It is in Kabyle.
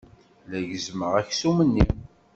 La gezzmeɣ aksum-nni.